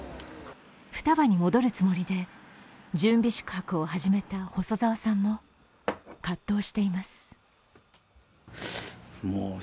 双葉に戻るつもりで準備宿泊を始めた細沢さんも葛藤しています。